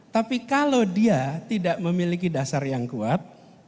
tapi kalau dia tidak memiliki dasar yang kuat